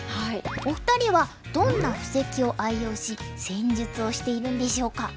お二人はどんな布石を愛用し戦術をしているんでしょうか。